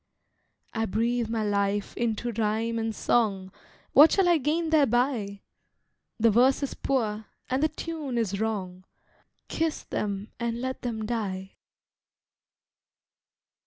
I breathe my life into rhyme and song, What shall I gain thereby? The verse is poor, and the tune is wrong, Kiss them and let them die.